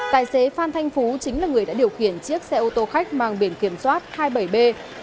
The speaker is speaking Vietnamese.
cài xế phan thanh phú chính là người đã điều khiển chiếc xe ô tô khách mang biển kiểm soát hai mươi bảy b ba trăm bốn mươi ba